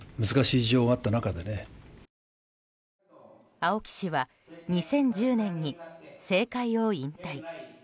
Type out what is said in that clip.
青木氏は２０１０年に政界を引退。